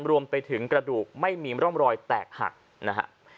รวมไปถึงกระดูกไม่มีร่องรอยแตกหักนะฮะ